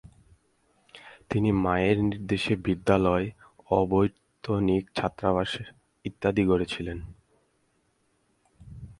তিনি মায়ের নির্দেশে বিদ্যালয়, অবৈতনিক ছাত্রাবাস ইত্যাদি গড়েছিলেন।